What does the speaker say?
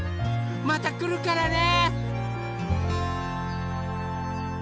またくるからね！